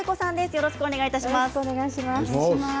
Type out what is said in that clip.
よろしくお願いします。